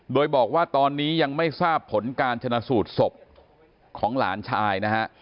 โดยบอกว่าตอนนี้ยังไม่ทราบผลการชนะสูตรศพของหลานชายนะฮะ